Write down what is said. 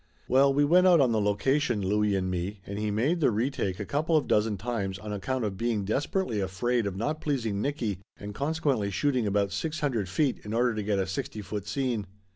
Well, we went out on the location, Louie and me, and he made the retake a couple of dozen times on account of being desperately afraid of not pleasing Nicky and con sequently shooting about six hundred feet in order to get a sixty foot scene.